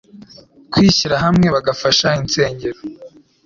kwishyira hamwe bagafasha insngero